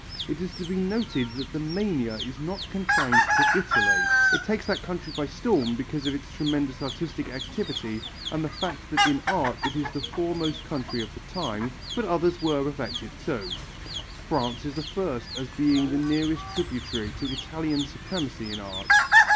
It is to be noted that the mania is not confined to Italy, it takes that country by storm because of its tremendous artistic activity and the fact that in art it is the foremost country of the time; but others were affected too. France is the first as being the nearest tributary to Italian supremacy in art.